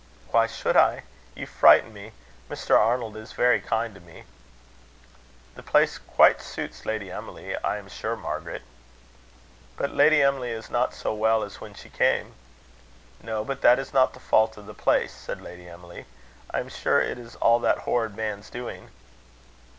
"Why should I? You frighten me. Mr. Arnold is very kind to me." "The place quite suits Lady Emily, I am sure, Margaret." "But Lady Emily is not so well as when she came." "No, but that is not the fault of the place," said Lady Emily. "I am sure it is all that horrid man's doing."